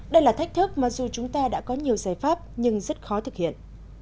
đây là thách thức mà dù chúng ta đã có nhiều giải pháp nhưng rất khó thực hiện